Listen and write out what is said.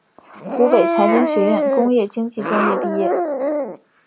湖北财经学院工业经济专业毕业。